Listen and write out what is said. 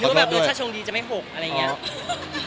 ใช่ค่ะหรือว่ารสชาติชงดีจะไม่โหกอะไรอย่างนี้